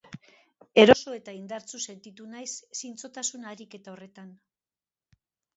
Eroso eta indartsu sentitu naiz zintzotasun ariketa horretan.